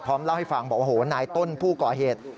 เล่าให้ฟังบอกว่าโหนายต้นผู้ก่อเหตุ